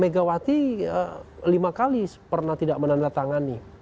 megawati lima kali pernah tidak menanda tangan nih